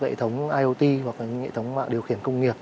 hệ thống iot hoặc hệ thống mạng điều khiển công nghiệp